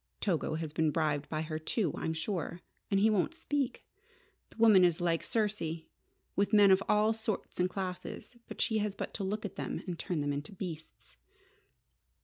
Togo has been bribed by her, too, I'm sure. And he won't speak. The woman is like Circe, with men of all sorts and classes. She has but to look at them to turn them into beasts!"